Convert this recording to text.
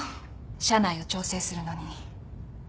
社内を調整するのに。